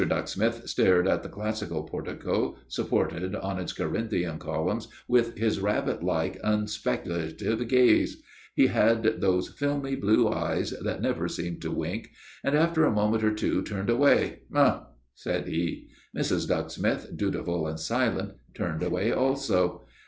Ducksmith stared at the classical portico supported on its Corinthian columns with his rabbit like, unspeculative gaze he had those filmy blue eyes that never seem to wink and after a moment or two turned away. "Umph!" said he. Mrs. Ducksmith, dutiful and silent, turned away also.